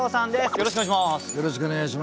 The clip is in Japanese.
よろしくお願いします。